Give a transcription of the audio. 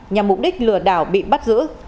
nhằm mục đích lừa đảo bị bắt giữ